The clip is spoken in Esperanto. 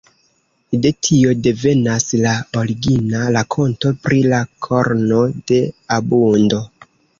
De tio devenas la origina rakonto pri la korno de abundo.